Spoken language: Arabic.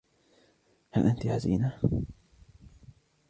هل أنتِ حزينة؟